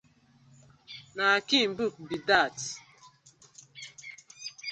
Na Akin book bi dat.